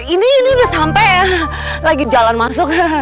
ini udah sampe lagi jalan masuk